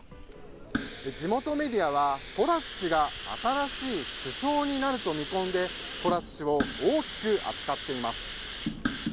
地元メディアはトラス氏が新しい首相になると見込んでトラス氏を大きく扱っています。